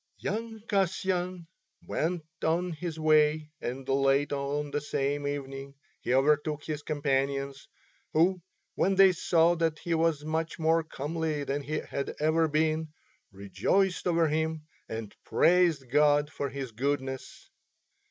Young Kasyan went on his way and late on that same evening he overtook his companions, who, when they saw that he was much more comely than he had ever been, rejoiced over him and praised God for His goodness.